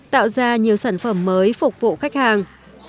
tạo ra nhiều sản phẩm mới phục vụ khách hàng